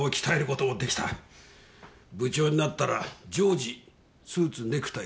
部長になったら常時スーツネクタイ着用厳守。